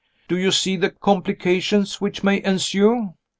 Do you see the complications which may ensue?